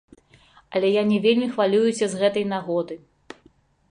Але я не вельмі хвалююся з гэтай нагоды.